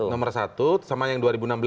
nomor satu sama yang dua ribu enam belas